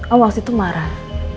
om waktu itu marah